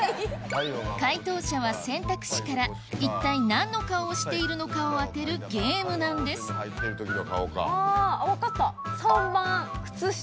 回答者は選択肢から一体何の顔をしているのかを当てるゲームなんです分かった３番靴下。